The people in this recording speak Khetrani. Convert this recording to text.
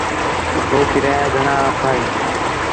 ہو کرایہ گھݨاں آکھا ہِے